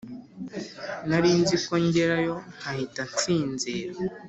Narinziko ngerayo nkahita nsinzira